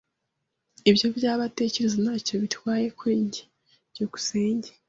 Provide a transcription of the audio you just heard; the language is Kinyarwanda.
Ibyo byambo atekereza ntacyo bintwaye kuri njye. byukusenge